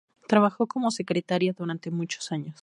Trabajó como secretaria durante muchos años.